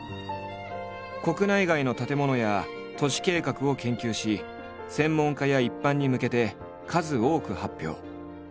国内外の建物や都市計画を研究し専門家や一般に向けて数多く発表。